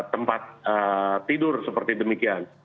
tempat tidur seperti demikian